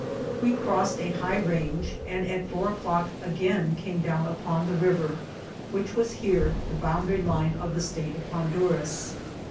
We crossed a high range, and at four o'clock again came down up<m the river, which was here ihe boundary line of the State of Honduras.